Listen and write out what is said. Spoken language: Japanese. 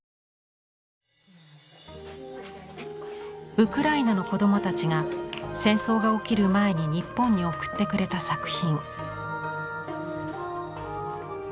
ウクライナの子どもたちが戦争が起きる前に日本に送ってくれた作品。